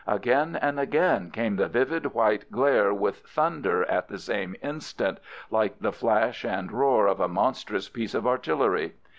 Again and again came the vivid white glare with thunder at the same instant, like the flash and roar of a monstrous piece of artillery.